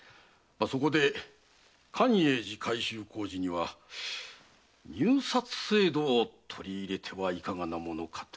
そこで寛永寺改修工事には入札制度を取り入れてはいかがなものかと。